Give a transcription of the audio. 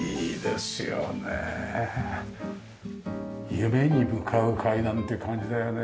夢に向かう階段っていう感じだよね。